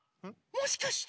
もしかして！